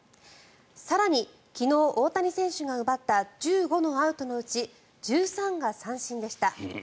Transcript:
更に昨日、大谷選手が奪った１５のアウトのうち１３が三振でした。